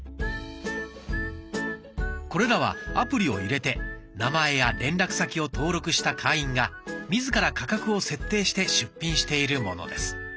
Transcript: これらはアプリを入れて名前や連絡先を登録した会員が自ら価格を設定して出品しているものです。